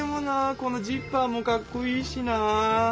このジッパーもかっこいいしな。